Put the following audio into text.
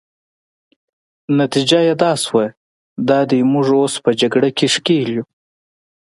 نتیجه يې دا شوه، دا دی موږ اوس په جګړه کې ښکېل یو.